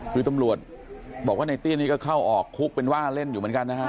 คือตำรวจบอกว่าในเตี้ยนี่ก็เข้าออกคุกเป็นว่าเล่นอยู่เหมือนกันนะฮะ